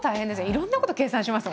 いろんなこと計算します